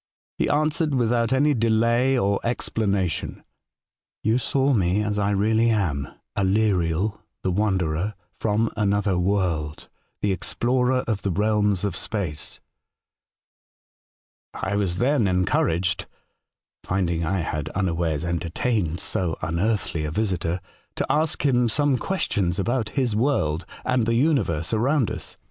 He answered, with out any delay or explanation :' You saw me as I really am, Aleriel, the wanderer, from another world, the explorer of the realms of space.' " I was then encouraged (finding I had un awares entertained so unearthly a visitor) to ask him some questions about his world and the universe around us.